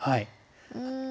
うん。